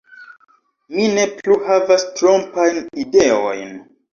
Mi ne plu havas trompajn ideojn.